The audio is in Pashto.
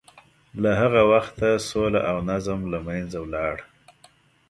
له هغه وخته سوله او نظم له منځه ولاړ.